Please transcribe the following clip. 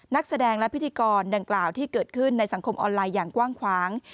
นักแสดงและพิธีกรดังกล่าวที่เกิดขึ้นในสังคมออนไลน์อย่างกว้างขวาง